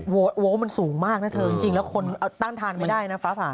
โวลมันสูงมากนะเธอจริงแล้วคนต้านทานไม่ได้นะฟ้าผ่า